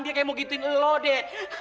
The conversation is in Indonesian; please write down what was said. dia kayak mau gituin lo deh